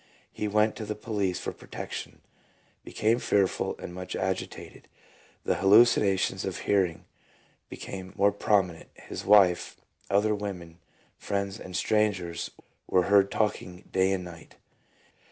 He went to the police for protection, became fearful and much agitated. The hallucinations of hearing became more promi nent, his wife, other women, friends, and strangers were heard talking day and night.